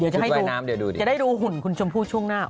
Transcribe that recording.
จะได้ดูหุ่นคุณชมพู่ช่วงหน้า